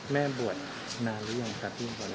เมื่อบวชนานหรือยังครับ